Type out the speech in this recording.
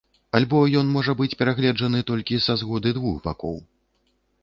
Альбо ён можа быць перагледжаны толькі са згоды двух бакоў?